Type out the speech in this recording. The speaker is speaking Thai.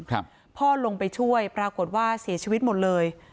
พ่อลงไปช่วยปรากฏว่าเสียชีวิตหมดเลย